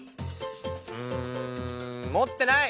うん持ってない。